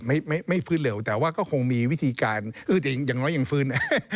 ใช่ครับไม่ฟื้นเร็วแต่ว่าก็คงมีวิธีการอย่างน้อยอย่างฟื้น